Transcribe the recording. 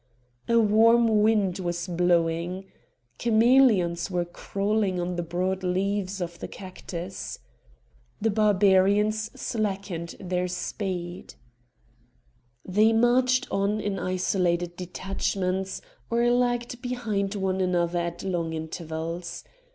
A warm wind was blowing. Chameleons were crawling on the broad leaves of the cactus. The Barbarians slackened their speed. They marched on in isolated detachments, or lagged behind one another at long intervals.